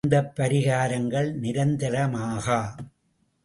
இந்தப் பரிகாரங்கள் நிரந்தரமாகா.